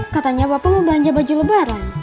katanya bapak mau belanja baju lebaran